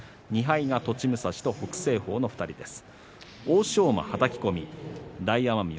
２敗が栃武蔵と北青鵬の２人です。